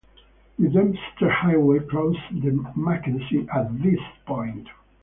The Dempster Highway crosses the Mackenzie at this point.